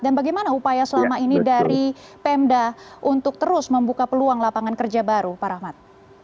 dan bagaimana upaya selama ini dari pemda untuk terus membuka peluang lapangan kerja baru pak rahmat